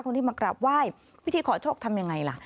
คนที่มากราบไหว้พิธีขอโชคทำยังไงล่ะ